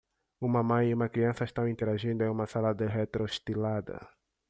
Uma mãe e uma criança estão interagindo em uma sala retrostilada.